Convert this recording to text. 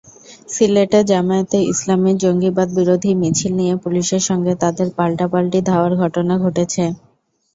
সিলেটে জামায়াতে ইসলামীর জঙ্গিবাদবিরোধী মিছিল নিয়ে পুলিশের সঙ্গে তাদের পাল্টাপাল্টি ধাওয়ার ঘটনা ঘটেছে।